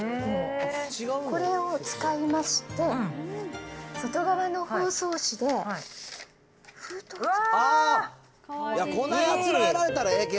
これを使いまして、外側の包装紙で、いい。